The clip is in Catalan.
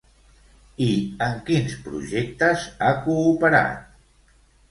I en quins projectes ha cooperat?